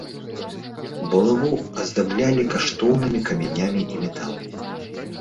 Булаву аздаблялі каштоўнымі камянямі і металамі.